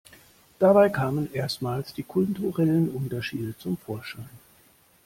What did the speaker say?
Dabei kamen erstmals die kulturellen Unterschiede zum Vorschein.